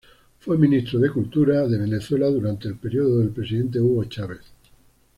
Fue ministro de Cultura de Venezuela durante el periodo del presidente Hugo Chávez.